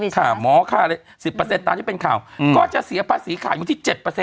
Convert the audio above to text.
ค่าหมอค่าอะไร๑๐ตามที่เป็นข่าวก็จะเสียภาษีขายอยู่ที่๗